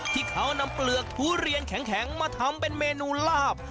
ที่เขานำเปลือกทุเรียนแข็งมาทำเป็นเมนูลาบ